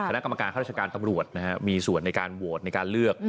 คณะกรรมการข้าราชการตำรวจมีส่วนในการโหวตในการเลือก